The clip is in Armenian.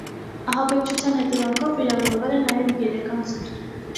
Ահաբեկչության հետևանքով վիրավորվել է նաև երեք անցորդ։